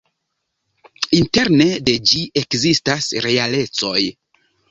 Interne de ĝi ekzistas realecoj.